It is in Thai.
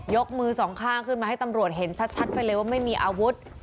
มือสองข้างขึ้นมาให้ตำรวจเห็นชัดไปเลยว่าไม่มีอาวุธ